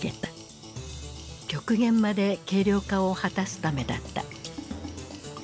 極限まで軽量化を果たすためだった。